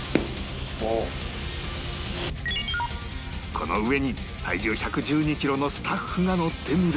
この上に体重１１２キロのスタッフが乗ってみると